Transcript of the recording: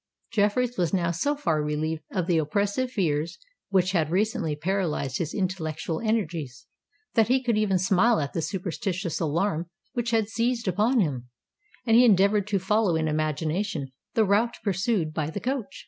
Jeffreys was now so far relieved of the oppressive fears which had recently paralysed his intellectual energies, that he could even smile at the superstitious alarm which had seized upon him; and he endeavoured to follow in imagination the route pursued by the coach.